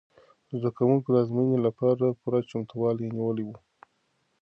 زده کوونکو د ازموینې لپاره پوره چمتووالی نیولی و.